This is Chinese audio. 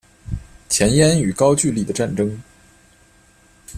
前燕与高句丽的战争